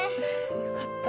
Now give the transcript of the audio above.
よかった。